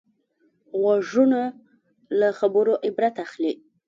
غوږونه له خبرو عبرت اخلي